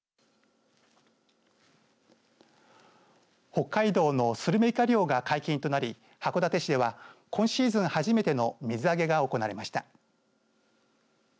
北海道のスルメイカ漁が解禁となり函館市では今シーズン初めての水揚げが行われました。